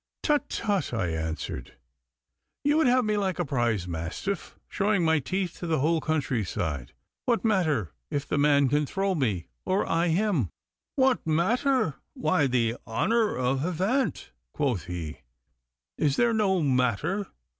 'Tut! tut!' I answered; 'you would have me like a prize mastiff, showing my teeth to the whole countryside. What matter if the man can throw me, or I him?' 'What matter? Why, the honour of Havant,' quoth he. 'Is that no matter?